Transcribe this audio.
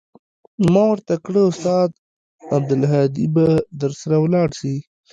ما ورته كړه استاده عبدالهادي به درسره ولاړ سي.